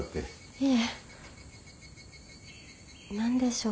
いえ何でしょうか。